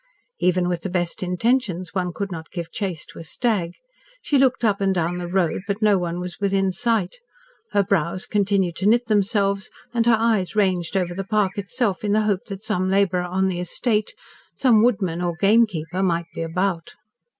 Even with the best intentions one could not give chase to a stag. She looked up and down the road, but no one was within sight. Her brows continued to knit themselves and her eyes ranged over the park itself in the hope that some labourer on the estate, some woodman or game keeper, might be about.